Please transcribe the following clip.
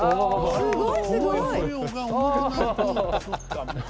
すごい！